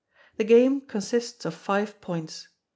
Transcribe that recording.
The Game consists of Five Points.